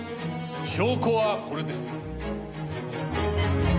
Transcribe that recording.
証拠はこれです。